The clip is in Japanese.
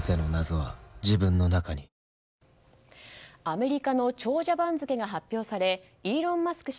アメリカの長者番付が発表されイーロン・マスク